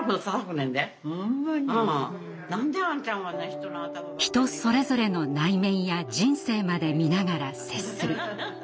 人それぞれの内面や人生まで看ながら接する。